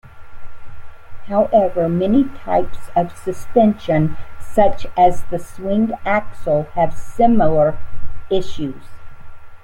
However, many types of suspension, such as the swing axle have similar issues.